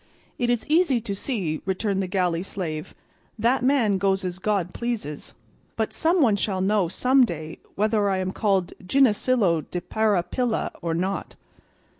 "It is easy to see," returned the galley slave, "that man goes as God pleases, but some one shall know some day whether I am called Ginesillo de Parapilla or not."